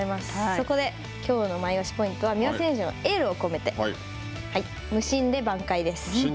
そこできょうのマイオシポイントは、三輪選手のエールを込めて、無心で挽回です。